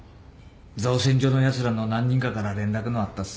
造船所のやつらの何人かから連絡のあったっさ。